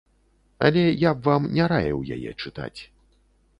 Але я б вам не раіў яе чытаць.